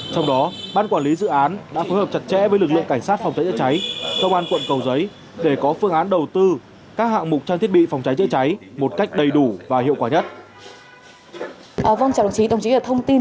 trong đó ban quản lý dự án đã phối hợp chặt chẽ với lực lượng cảnh sát phòng cháy chữa cháy công an quận cầu giấy để có phương án đầu tư các hạng mục trang thiết bị phòng cháy chữa cháy một cách đầy đủ và hiệu quả nhất